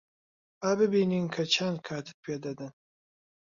با ببینین کە چەند کاتت پێ دەدەن.